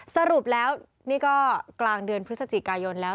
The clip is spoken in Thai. สรุปแล้วนี่ก็กลางเดือนพฤศจิกายนแล้ว